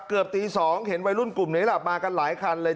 เกือบตี๒เห็นวัยรุ่นกลุ่มนี้หลับมากันหลายคันเลย